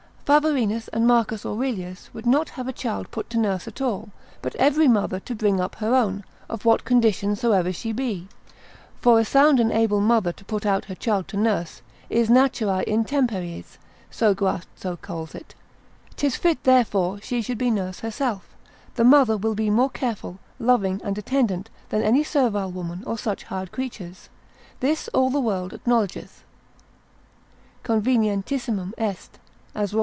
Phavorinus and Marcus Aurelius would not have a child put to nurse at all, but every mother to bring up her own, of what condition soever she be; for a sound and able mother to put out her child to nurse, is naturae intemperies, so Guatso calls it, 'tis fit therefore she should be nurse herself; the mother will be more careful, loving, and attendant, than any servile woman, or such hired creatures; this all the world acknowledgeth, convenientissimum est (as Rod.